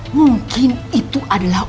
mungkin itu adalah